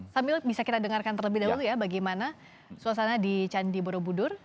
sambil bisa kita dengarkan terlebih dahulu ya bagaimana suasana di candi borobudur